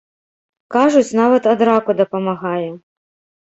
Кажуць, нават ад раку дапамагае.